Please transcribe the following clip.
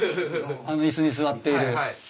あの椅子に座っている。